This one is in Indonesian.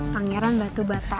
pangeran batu bata